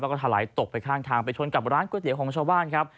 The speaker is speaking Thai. แล้วก็ถลายตกไปข้างทางไปชนกับร้านก๋วยเตี๋ยวของชาวบ้านครับ